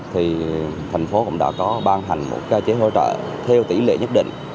thì thành phố cũng đã có ban hành một cơ chế hỗ trợ theo tỷ lệ nhất định